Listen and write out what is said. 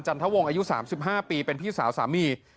ทะวงอายุ๓๕ปีเป็นพี่สาวสามี